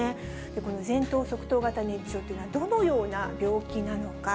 この前頭側頭型認知症というのは、どのような病気なのか。